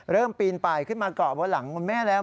เริ่มปีนไปขึ้นมาเกาะบนหลังแม่แล้ว